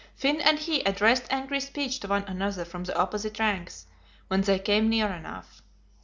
Finn and he addressed angry speech to one another from the opposite ranks, when they came near enough.